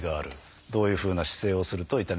どういうふうな姿勢をすると痛みが増す。